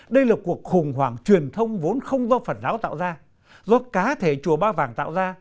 đây là cuộc khủng hoảng truyền thông vốn không do phật giáo tạo ra do cá thể chùa ba vàng tạo ra